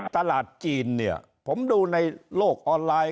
ตลาดจีนเนี่ยผมดูในโลกออนไลน์